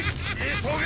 急げ！